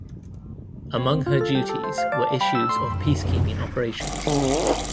Among her duties were issues of peacekeeping operations.